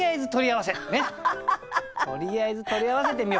とりあえず取り合わせてみよう。